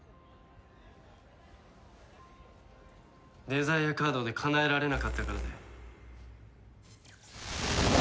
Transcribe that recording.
デザイアカードでかなえられなかったからだよ。